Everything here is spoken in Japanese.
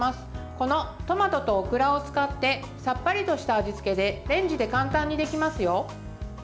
この、トマトとオクラを使ってさっぱりとした味付けでレンジで簡単にできますよ。